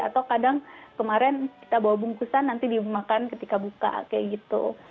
atau kadang kemarin kita bawa bungkusan nanti dimakan ketika buka kayak gitu